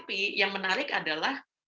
tapi yang menarik adalah